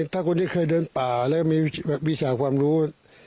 ถ้าคนที่เคยเดินป่าแล้วมีวิชาความรู้